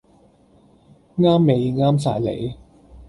啱味啱晒你